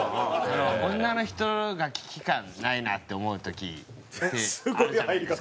女の人が危機感ないなって思う時ってあるじゃないですか。